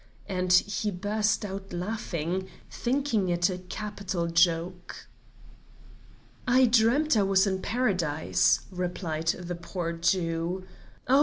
and he burst out laughing, thinking it a capital joke. "I dreamt I was in Paradise," replied the poor Jew. "Oh!